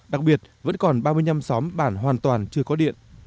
đặc biệt vẫn còn ba mươi năm xóm bản hoàn toàn chưa có điện